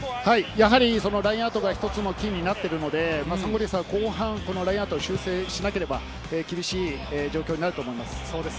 ラインアウトが一つキーになっているので、後半、サンゴリアスは修正しなければ厳しい状況になると思います。